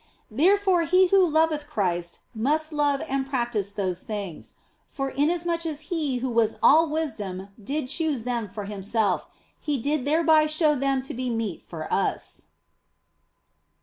Therefore, he who loveth Christ must love and practise those things ; for inasmuch as He who was all wisdom did choose them for Himself, He did thereby show them to be meet for us.